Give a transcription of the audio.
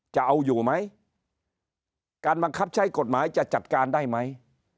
จะเอาอยู่ไหมการบังคับใช้กฎหมายจะจัดการได้ไหม